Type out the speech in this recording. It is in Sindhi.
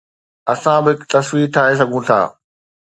اسان به هڪ تصوير ٺاهي سگهون ٿا